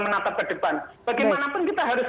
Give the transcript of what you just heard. menatap ke depan bagaimanapun kita harus